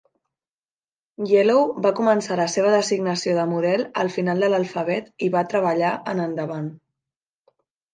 Yellow va començar la seva designació de model al final de l"alfabet i va treballar en endavant.